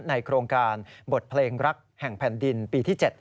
ในโครงการบทเพลงรักแห่งแผ่นดินปีที่๗